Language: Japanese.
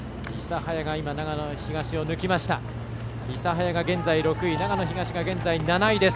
諫早が現在６位長野東が現在７位です。